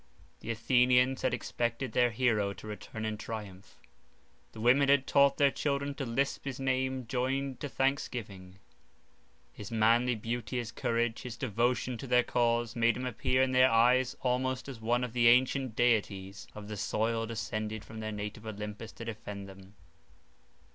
The Athenians had expected their hero to return in triumph; the women had taught their children to lisp his name joined to thanksgiving; his manly beauty, his courage, his devotion to their cause, made him appear in their eyes almost as one of the ancient deities of the soil descended from their native Olympus to defend them.